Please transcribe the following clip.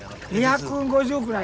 ２５０くらいです。